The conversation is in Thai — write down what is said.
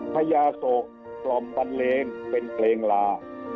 พญาโศกล่อมบันเลงเป็นเพลงลา